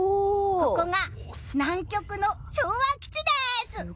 ここが南極の昭和基地です！